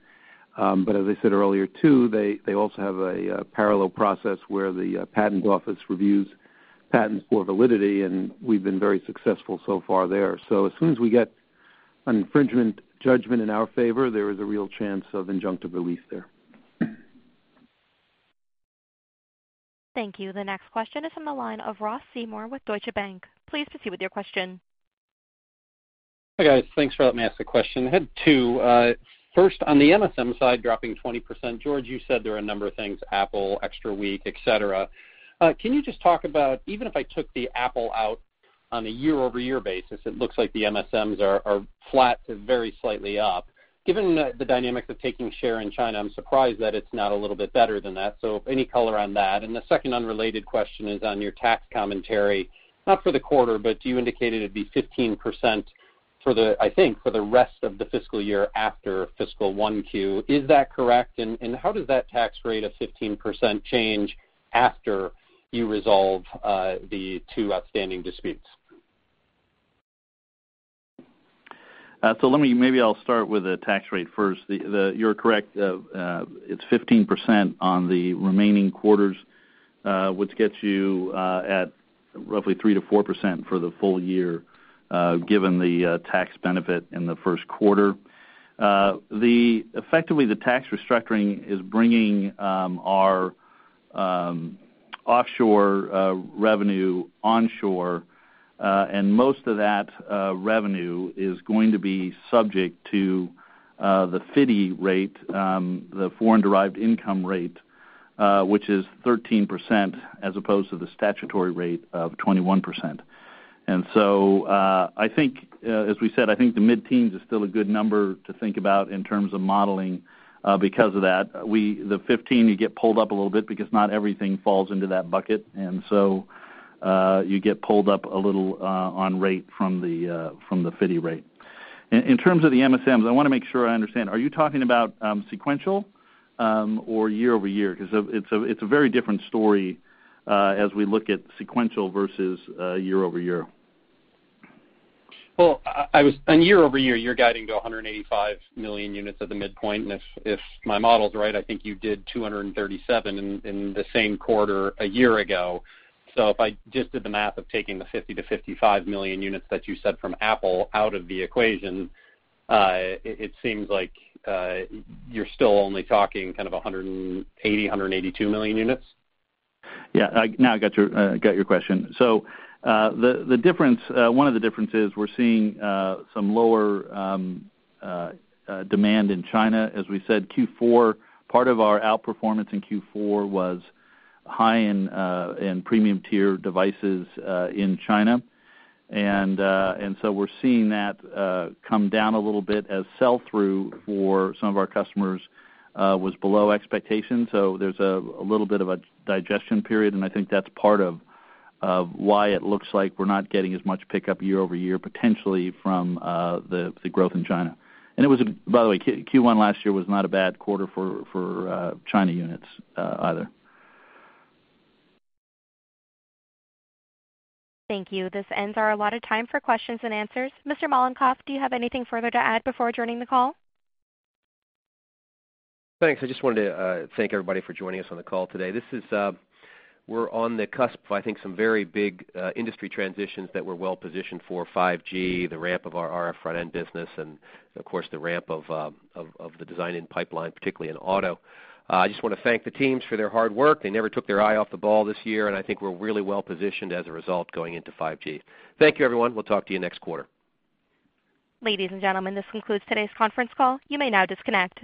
As I said earlier, too, they also have a parallel process where the patent office reviews patents for validity, and we've been very successful so far there. As soon as we get An infringement judgment in our favor, there is a real chance of injunctive relief there. Thank you. The next question is on the line of Ross Seymore with Deutsche Bank. Please proceed with your question. Hi, guys. Thanks for letting me ask the question. I had two. First, on the MSM side, dropping 20%, George, you said there are a number of things, Apple, extra week, et cetera. Can you just talk about, even if I took the Apple out on a year-over-year basis, it looks like the MSMs are flat to very slightly up. Given the dynamics of taking share in China, I'm surprised that it's not a little bit better than that. Any color on that? The second unrelated question is on your tax commentary, not for the quarter, but you indicated it'd be 15%, I think, for the rest of the fiscal year after fiscal 1Q. Is that correct? How does that tax rate of 15% change after you resolve the two outstanding disputes? Maybe I'll start with the tax rate first. You're correct, it's 15% on the remaining quarters, which gets you at roughly 3%-4% for the full year, given the tax benefit in the first quarter. Effectively, the tax restructuring is bringing our offshore revenue onshore, and most of that revenue is going to be subject to the FDII rate, the foreign-derived income rate, which is 13%, as opposed to the statutory rate of 21%. I think, as we said, I think the mid-teens is still a good number to think about in terms of modeling because of that. The 15, you get pulled up a little bit because not everything falls into that bucket. You get pulled up a little on rate from the FDII rate. In terms of the MSMs, I want to make sure I understand. Are you talking about sequential or year-over-year? It's a very different story as we look at sequential versus year-over-year. On year-over-year, you're guiding to 185 million units at the midpoint. If my model's right, I think you did 237 in the same quarter a year ago. If I just did the math of taking the 50-55 million units that you said from Apple out of the equation, it seems like you're still only talking kind of 180-182 million units. Yeah, now I got your question. One of the differences we're seeing some lower demand in China. As we said, part of our outperformance in Q4 was high in premium-tier devices in China. We're seeing that come down a little bit as sell-through for some of our customers was below expectations. There's a little bit of a digestion period, and I think that's part of why it looks like we're not getting as much pickup year-over-year, potentially from the growth in China. By the way, Q1 last year was not a bad quarter for China units either. Thank you. This ends our allotted time for questions and answers. Mr. Mollenkopf, do you have anything further to add before adjourning the call? Thanks. I just wanted to thank everybody for joining us on the call today. We're on the cusp of, I think, some very big industry transitions that we're well positioned for 5G, the ramp of our RF front-end business, and of course, the ramp of the design-in pipeline, particularly in auto. I just want to thank the teams for their hard work. They never took their eye off the ball this year, and I think we're really well positioned as a result going into 5G. Thank you, everyone. We'll talk to you next quarter. Ladies and gentlemen, this concludes today's conference call. You may now disconnect.